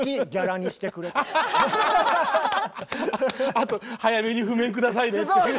あと早めに譜面下さいねっていう。